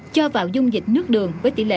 cho vào dung dịch nước đường với tỷ lệ